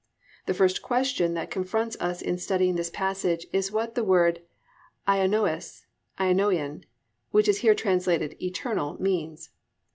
"+ The first question that confronts us in studying this passage is what the word aionios (aionion) which is here translated "eternal" means.